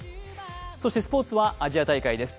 そしてスポーツは、アジア大会です。